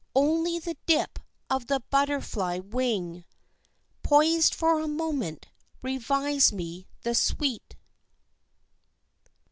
Only the dip of the butterfly wing, Poised for a moment, revives me the sweet.